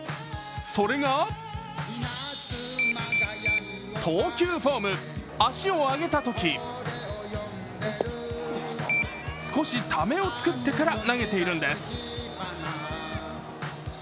それが投球フォーム、足を上げたとき、少しためを作ってから投げているんです。